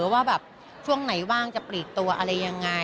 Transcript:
ว่าแบบช่วงไหนว่างจะปลีกตัวอะไรยังไง